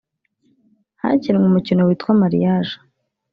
Hakinwe umukino witwa ‘Marriage